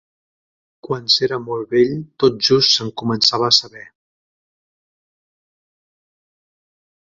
Quan s'era molt vell tot just se'n començava a saber.